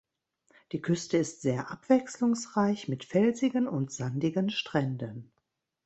Die Küste ist sehr abwechslungsreich mit felsigen und sandigen Stränden.